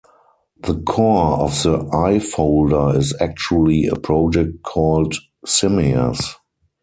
The core of the iFolder is actually a project called Simias.